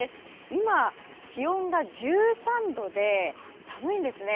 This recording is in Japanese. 今、気温が１３度で寒いんですね。